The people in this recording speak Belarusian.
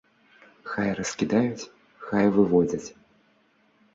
Хай раскідаюць, хай выводзяць!